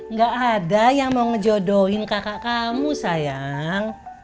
nggak ada yang mau ngejodohin kakak kamu sayang